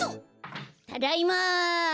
ただいま。